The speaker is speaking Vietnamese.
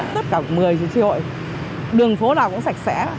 tất cả một mươi tri hội đường phố nào cũng sạch sẽ